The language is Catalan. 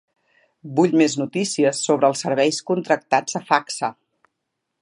Vull més notícies sobre els serveis contractats a Facsa.